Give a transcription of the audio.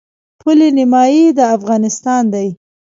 پل نیمايي د افغانستان دی.